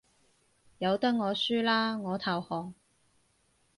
由得我輸啦，我投降